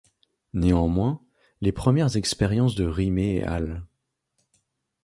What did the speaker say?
Néanmoins, les premières expériences de Rimé et al.